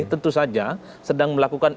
tentu saja sedang melakukan